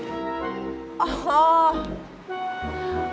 gak ada apa apa